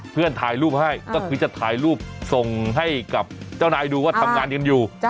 ถ่ายรูปให้ก็คือจะถ่ายรูปส่งให้กับเจ้านายดูว่าทำงานกันอยู่